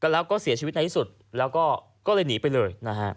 แล้วก็เสียชีวิตในที่สุดก็เลยหนีไปเลย